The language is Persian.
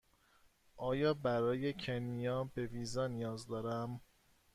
آیا برای کنیا به ویزا نیاز دارم؟